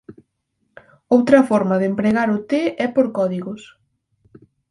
Outra forma de empregar o T é por códigos.